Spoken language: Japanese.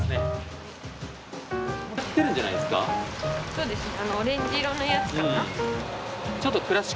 そうですね。